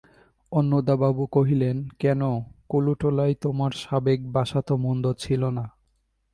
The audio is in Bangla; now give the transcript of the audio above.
অন্নদাবাবু কহিলেন, কেন, কলুটোলায় তোমার সাবেক বাসা তো মন্দ ছিল না।